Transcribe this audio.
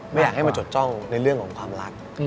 ไม่อยากให้มาจดจ้องในเรื่องของความรัก